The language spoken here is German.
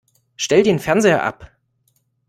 Stell den Fernseher ab!